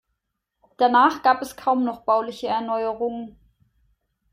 Danach gab es kaum noch bauliche Erneuerungen.